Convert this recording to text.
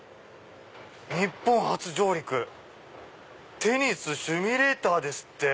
「日本初上陸テニスシミュレーター」！